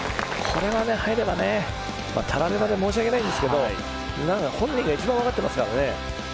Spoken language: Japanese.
これが入ればたらればで申し訳ないですがそんなのは本人が一番分かってますからね。